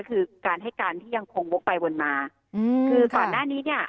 คือการให้การที่ยังคงวกไปวนมาอืมคือก่อนหน้านี้เนี่ย